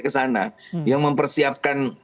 ke sana yang mempersiapkan